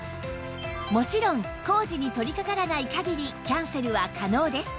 もちろん工事に取りかからない限りキャンセルは可能です